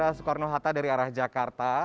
kalau dari bandara soekarno hatta dari arah jakarta